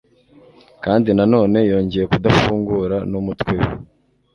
Kandi na none yongeye kudafungura numutwe we